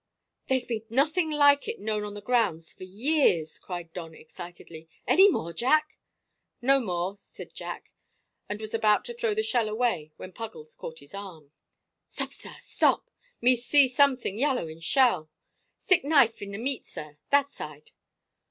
"There's been nothing like it known on the grounds for years!" cried Don excitedly. "Any more, Jack?" "No more," said Jack, and was about to throw the shell away, when Puggles caught his arm. "Stop, sar, stop! Me see something yellow in shell. Stick knife in the meat, sar, that side."